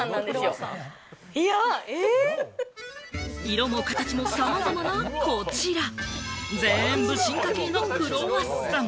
色も形もさまざまなこちら、全部、進化系のクロワッサン。